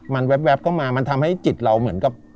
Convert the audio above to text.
มันแวบเข้ามามันทำให้จิตเราเหมือนกับ